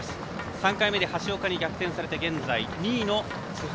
３回目で橋岡に逆転されて今２位の津波。